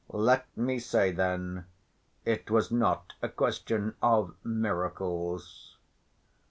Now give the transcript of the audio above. Let me say then, it was not a question of miracles.